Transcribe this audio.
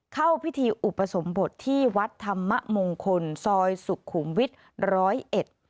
เข้าพิธีอุปสมบทที่วัดธรรมมงคลซอยสุขุมวิทย์ร้อยเอ็ด